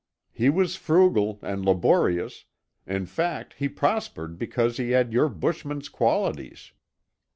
He was frugal and laborious; in fact, he prospered because he had your bushman's qualities.